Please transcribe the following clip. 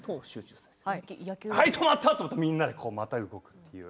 はい、止まった、と思ったらまた動くという。